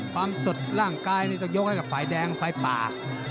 ความสดร่างกายนี่ต้องยกให้กับฝ่ายแดงฝ่ายป่า